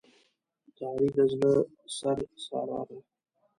د علي د زړه سر ساره ده.